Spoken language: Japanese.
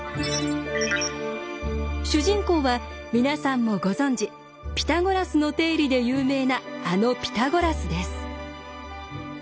主人公は皆さんもご存じピタゴラスの定理で有名なあのピタゴラスです。